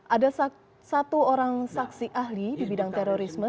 ada satu orang saksi ahli di bidang terorisme